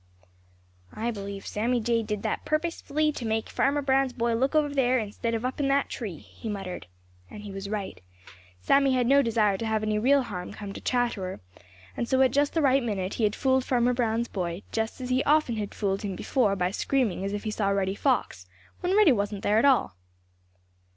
"I believe Sammy Jay did that purposely to make Farmer Brown's boy look over there instead of up in the tree," he muttered. And he was right. Sammy had no desire to have any real harm come to Chatterer, and so at just the right minute he had fooled Farmer Brown's boy, just as he often had fooled him before by screaming as if he saw Reddy Fox, when Reddy wasn't there at all.